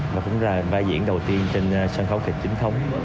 và cũng là vai diễn đầu tiên trên sân khấu kịch chính thống